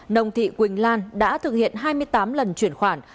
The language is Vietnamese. nông thị quỳnh lan đã thực hiện hai mươi tám lần chuyển khoản